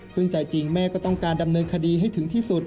ซึ่งใจจริงแม่ก็ต้องการดำเนินคดีให้ถึงที่สุด